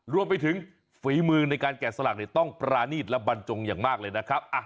รวมไปถึงฝีมือในการแกะสลักต้องปรานีตและบรรจงอย่างมากเลยนะครับ